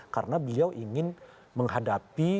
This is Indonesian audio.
karena beliau ingin menghadapi